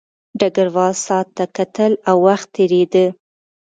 ډګروال ساعت ته کتل او وخت تېرېده